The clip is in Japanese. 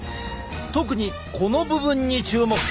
特にこの部分に注目。